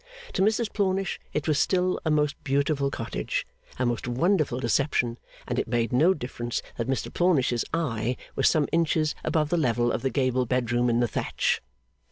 To Mrs Plornish, it was still a most beautiful cottage, a most wonderful deception; and it made no difference that Mr Plornish's eye was some inches above the level of the gable bed room in the thatch.